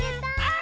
あ！